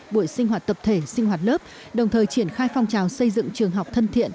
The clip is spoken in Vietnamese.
buổi sinh hoạt tập thể sinh hoạt lớp đồng thời triển khai phong trào xây dựng trường học thân thiện